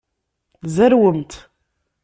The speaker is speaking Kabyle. Zerwemt.